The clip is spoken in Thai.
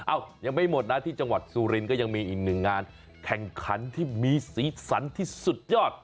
ยังไม่หมดนะที่จังหวัดสุรินก็ยังมีอีกหนึ่งงานแข่งขันที่มีสีสันที่สุดยอด